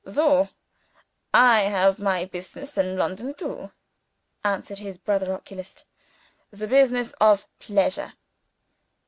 "Soh! I have my business in London, too," answered his brother oculist "the business of pleasure."